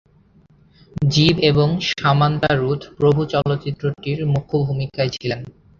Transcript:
জীব এবং সামান্থা রুথ প্রভু চলচ্চিত্রটির মুখ্য ভূমিকায় ছিলেন।